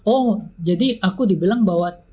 oh jadi aku dibilang bahwa